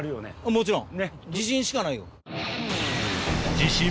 もちろん！